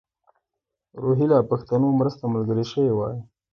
روهیله پښتنو مرسته ملګرې شوې وای.